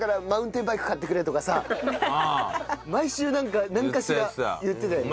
毎週なんかなんかしら言ってたよね。